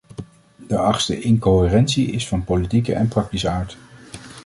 De achtste incoherentie is van politieke en praktische aard.